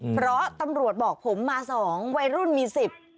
เพราะตำรวจบอกผมมาสองวัยรุ่นมีสิบ